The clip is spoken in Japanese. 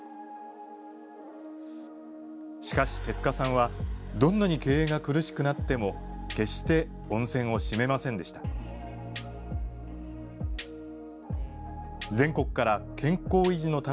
しかし手塚さんは、どんなに経営が苦しくなっても、決して、温泉を閉めませんでした。